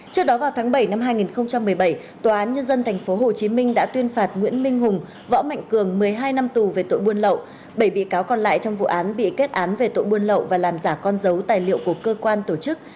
trước đó vào tháng bảy năm hai nghìn một mươi bảy tòa án nhân dân tp hcm đã tuyên phạt nguyễn minh hùng võ mạnh cường một mươi hai năm tù về tội buôn lậu bảy bị cáo còn lại trong vụ án bị kết án về tội buôn lậu và làm giả con dấu tài liệu của cơ quan tổ chức